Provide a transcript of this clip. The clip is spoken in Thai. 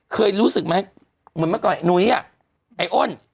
เคยรู้สึกไหมเหมือนเมื่อก่อนหนุ้ยอ่ะไอ้อ้น